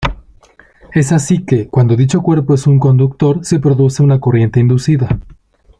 Es así que, cuando dicho cuerpo es un conductor, se produce una corriente inducida.